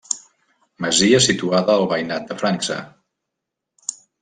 Masia situada al veïnat de França.